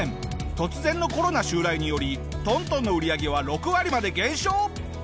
突然のコロナ襲来により東東の売り上げは６割まで減少！